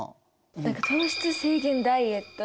何か糖質制限ダイエット。